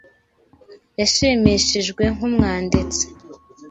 Yashimishijwe nkumwanditsi.